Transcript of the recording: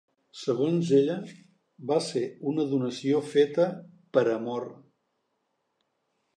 Segons ella, va ser una donació feta ‘per amor’.